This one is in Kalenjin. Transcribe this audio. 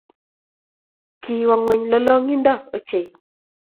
Kiwo ngweny lolongindo ochei